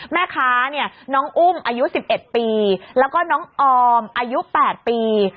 แม่ค้าเนี่ยน้องอุ้มอายุ๑๑ปีแล้วก็น้องออมอายุ๘ปี